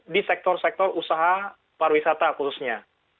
di sektor sektor usaha pariwisata khususnya